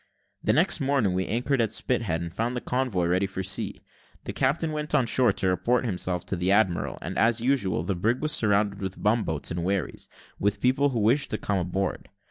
The next morning we anchored at Spithead, and found the convoy ready for sea. The captain went on shore to report himself to the admiral, and, as usual, the brig was surrounded with bum boats and wherries, with people who wished to come on board.